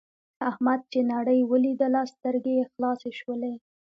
احمد چې نړۍ ولیدله سترګې یې خلاصې شولې.